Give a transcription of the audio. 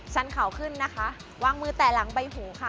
สันเขาขึ้นนะคะวางมือแต่หลังใบหูค่ะ